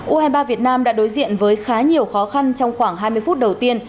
u hai mươi ba việt nam đã đối diện với khá nhiều khó khăn trong khoảng hai mươi phút đầu tiên